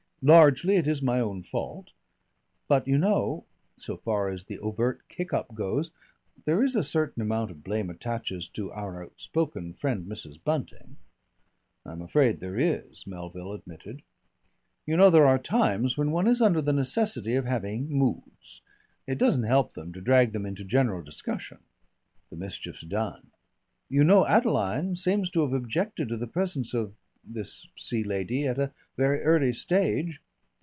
Largely it is my own fault. But you know so far as the overt kick up goes there is a certain amount of blame attaches to our outspoken friend Mrs. Bunting." "I'm afraid there is," Melville admitted. "You know there are times when one is under the necessity of having moods. It doesn't help them to drag them into general discussion." "The mischief's done." "You know Adeline seems to have objected to the presence of this sea lady at a very early stage.